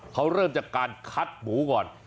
เขาเริ่มจากการคัดหมูก่อน